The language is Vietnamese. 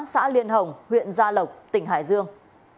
xã liên hồng huyện gia lộc tỉnh hải dương